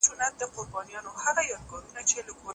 د شعر د پیغام په برخه کي پوښتنه وسي